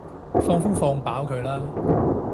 放風放飽佢啦